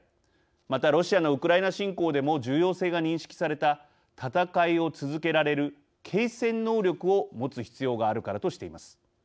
また、ロシアのウクライナ侵攻でも重要性が認識された戦いを続けられる継戦能力を持つ必要があるからとしています。